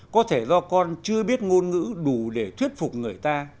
có thể do con chưa biết ngôn ngữ đủ để thuyết phục người ta